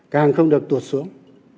càng không được tuột xuống